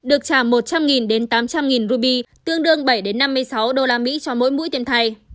được trả một trăm linh đến tám trăm linh ruby tương đương bảy năm mươi sáu usd cho mỗi mũi tiêm thay